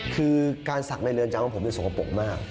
คือการสักในเรือนจามพ่อผมเป็นสประปลกมาก